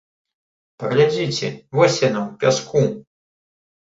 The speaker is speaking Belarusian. Паглядзіце, вось яна ў пяску!